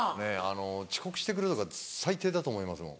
遅刻して来るとか最低だと思いますもん。